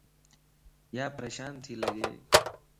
يا پريشان تي لڳ